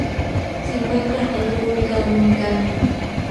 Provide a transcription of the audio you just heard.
Se encuentra en República Dominicana.